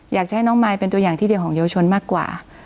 อยากจะให้น้องมายเป็นตัวอย่างที่เดียวของเยาวชนมากกว่า